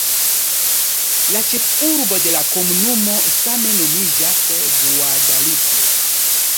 La ĉefurbo de la komunumo same nomiĝas "Guadalupe".